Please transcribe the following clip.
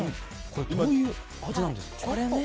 これ、どういう味なんですか？